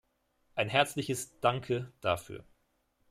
Ein herzliches Danke dafür!